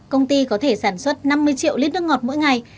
công ty có thể sản xuất năm mươi triệu lít nước ngọt mỗi ngày